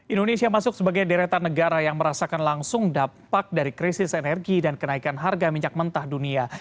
indonesia masuk sebagai deretan negara yang merasakan langsung dampak dari krisis energi dan kenaikan harga minyak mentah dunia